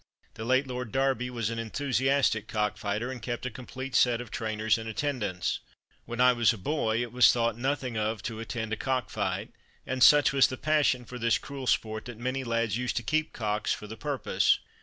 The late Lord Derby was an enthusiastic cock fighter, and kept a complete set of trainers and attendants. When I was a boy, it was thought nothing of to attend a cock fight, and, such was the passion for this cruel sport, that many lads used to keep cocks for the purpose.